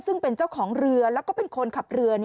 ซึ่งเป็นเจ้าของเรือแล้วก็เป็นคนขับเรือ